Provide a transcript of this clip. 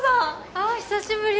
ああ久しぶり